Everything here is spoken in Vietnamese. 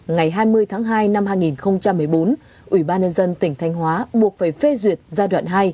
ngày hai mươi tháng hai năm hai nghìn một mươi bốn ubnd tỉnh thanh hóa buộc phải phê duyệt giai đoạn hai